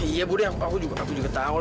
iya bu de aku juga tahu